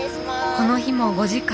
この日も５時間。